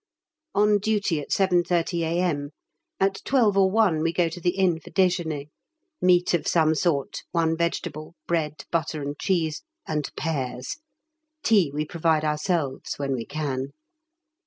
On duty at 7.30 A.M. At 12 or 1 we go to the Inn for déjeûner: meat of some sort, one vegetable, bread, butter, and cheese, and pears. Tea we provide ourselves when we can.